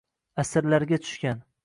Asirlarga tushgan